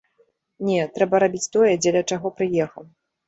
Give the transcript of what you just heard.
Не, трэба рабіць тое, дзеля чаго прыехаў.